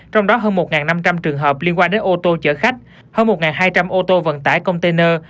trong đó hơn một năm trăm linh trường hợp liên quan đến ô tô chở khách hơn một hai trăm linh ô tô vận tải container